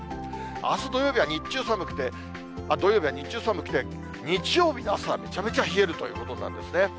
あす土曜日は日中寒くて、土曜日は日中寒くて、日曜日の朝はめちゃめちゃ冷えるということなんですね。